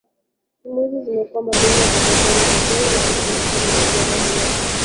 timu hizi zimekuwa mabingwa wa kupokezana migogoro na kinachofuatia ni kuambukiza migogoro hiyo hata